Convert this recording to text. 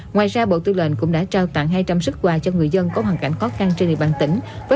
ngoài ra bộ tư lệnh cũng đã trao tặng hai trăm linh sức quà cho người dân